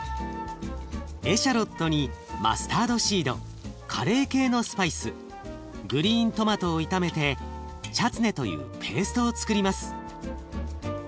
エシャロットにマスタードシードカレー系のスパイスグリーントマトを炒めてチャツネというペーストをつくります。